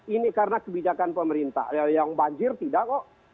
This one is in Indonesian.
ini karena kebijakan pemerintah yang banjir tidak kok